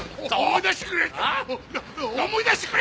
思い出してくれ！